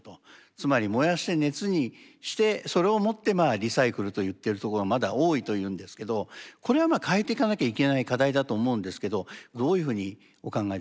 つまり燃やして熱にしてそれをもってまあ「リサイクル」と言ってるところがまだ多いというんですけどこれはまあ変えていかなきゃいけない課題だと思うんですけどどういうふうにお考えですか？